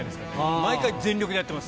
毎回、全力でやってます。